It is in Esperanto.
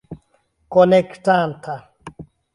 Konektanta